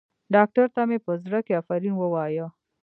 ډاکتر ته مې په زړه کښې افرين ووايه.